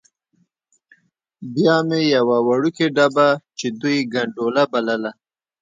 بیا مې یوه وړوکې ډبه چې دوی ګنډولا بلله.